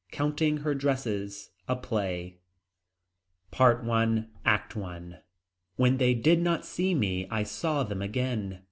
COUNTING HER DRESSES A PLAY PART I. ACT I. When they did not see me. I saw them again.